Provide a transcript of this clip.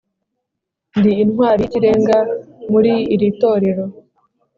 ndi intwari y'ikirenga muri iri torero